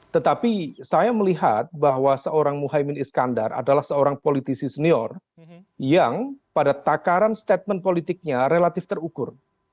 tetapi saya melihat bahwa seorang muhyiddin iskandar adalah seorang politisi senior yang pada takaran statement politiknya relatif terukur